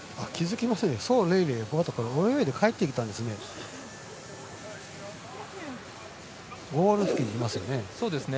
宋玲玲、泳いで帰ってきたんですね。